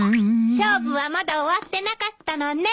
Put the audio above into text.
勝負はまだ終わってなかったのね。